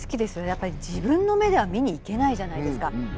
やっぱり自分の目では見に行けないじゃないですか。